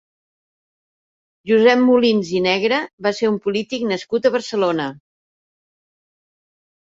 Josep Molins i Negre va ser un polític nascut a Barcelona.